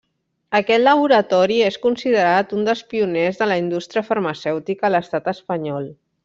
Aquest laboratori és considerat un dels pioners de la indústria farmacèutica a l'estat espanyol.